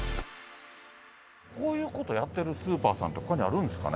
こういうことやってるスーパーさん、ほかにあるんですかね？